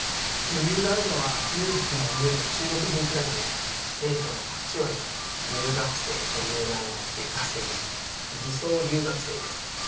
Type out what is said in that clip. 余裕があるのは裕福な家の中国人くらいで生徒の８割は留学生という名の出稼ぎ偽装留学生です